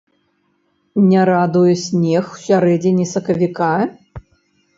Не радуе снег ў сярэдзіне сакавіка?